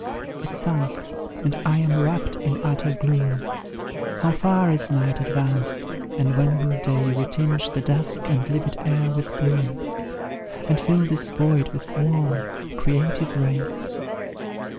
It sank, and I am wrapt in utter gloom; How far is night advanced, and when will day Retinge the dusk and livid air with bloom, And fill this void with warm, creative ray?